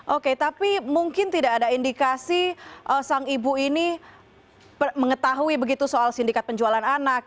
oke tapi mungkin tidak ada indikasi sang ibu ini mengetahui begitu soal sindikat penjualan anak